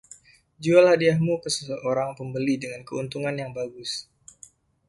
Jual hadiahmu ke seorang pembeli dengan keuntungan yang bagus.